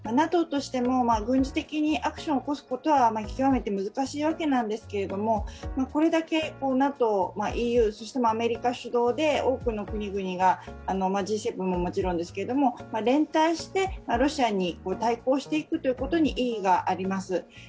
ＮＡＴＯとしても軍事的なアクションを起こすことは極めて難しいわけなんですけれども、これだけＮＡＴＯ、ＥＵ、そしてアメリカ主導で多くの国々がＧ７ももちろんですけど連帯してロシアに対抗していくということに意義があります。